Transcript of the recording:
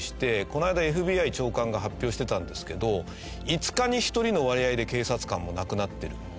この間ＦＢＩ長官が発表してたんですけど５日に１人の割合で警察官も亡くなってる。